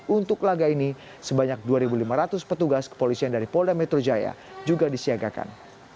untuk laga ini sebanyak dua lima ratus petugas kepolisian dari polda metro jaya juga disiagakan